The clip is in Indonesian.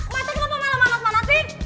mata kenapa malah malas malasin